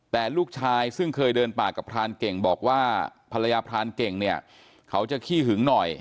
แต่ลูกชายซึ่งเคยเดินปากกับพรานเก่งบอกว่าภรรยาพรานเก่งเนี่ยเขาจะขี้หึงหน่อย